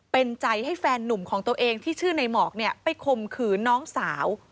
เป็นใจให้แฟนนุ่มของตัวเองที่ชื่อในหมอกไปข่มขืนน้องสาว